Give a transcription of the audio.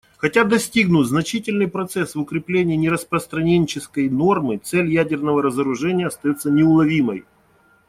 Хотя достигнут значительный прогресс в укреплении нераспространенческой нормы, цель ядерного разоружения остается неуловимой.